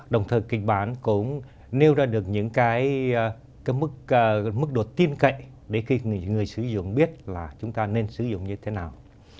đồng thời kịch bản cũng nêu ra được những cái mức độ tin cậy để người sử dụng biết là chúng ta nên sử dụng như thế nào